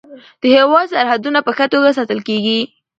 د هیواد سرحدونه په ښه توګه ساتل کیږي.